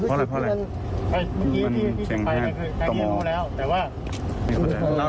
เพราะอะไรมันเช็งแพทย์ต้องออก